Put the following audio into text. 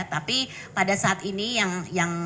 tapi pada saat ini yang